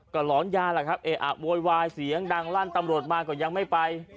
ก็หลอนยาแหละครับเออะโวยวายเสียงดังลั่นตำรวจมาก็ยังไม่ไป